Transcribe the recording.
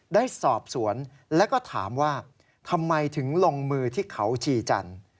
ได้สอบสวนแล้วก็ถามว่าทำไมถึงลงมือที่เขาชีจันทร์